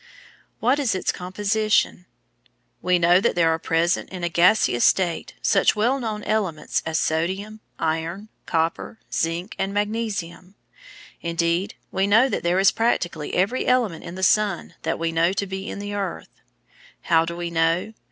What is its composition? We know that there are present, in a gaseous state, such well known elements as sodium, iron, copper, zinc, and magnesium; indeed, we know that there is practically every element in the sun that we know to be in the earth. How do we know?